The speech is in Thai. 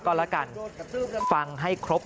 ขอบคุณครับ